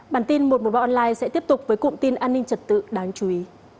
bản tin một trăm một mươi ba online sẽ tiếp tục với cụm tin an ninh trật tự đáng chú ý